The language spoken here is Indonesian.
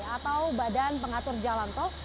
atau badan pengatur jalan tol